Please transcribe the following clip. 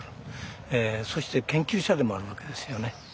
そして研究者でもあるわけですよね。